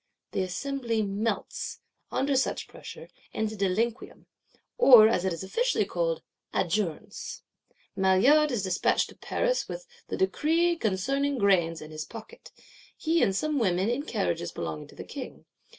The Assembly melts, under such pressure, into deliquium; or, as it is officially called, adjourns. Maillard is despatched to Paris, with the "Decree concerning Grains" in his pocket; he and some women, in carriages belonging to the King.